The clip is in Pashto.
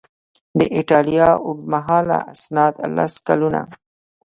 د ایټالیا اوږدمهاله اسناد لس کلونه